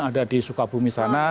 ada di sukabumi sana